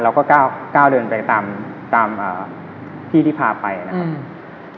เราก็ก้าวเดินไปตามตามที่ที่พาไปนะครับ